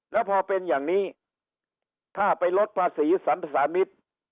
แล้วพอเป็นอย่างนี้ถ้าไปลดภาษีสรรพสามิตร